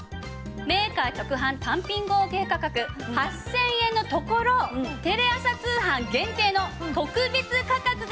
メーカー直販単品合計価格８０００円のところテレ朝通販限定の特別価格が実現致しました！